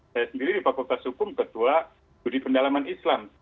saya sendiri di fakultas hukum ketua judi pendalaman islam